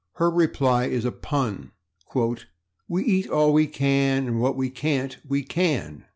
Her reply is a pun: "We eat all we can, and what we can't we can."